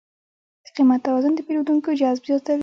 د قیمت توازن د پیرودونکو جذب زیاتوي.